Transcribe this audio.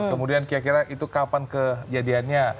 kemudian kira kira itu kapan kejadiannya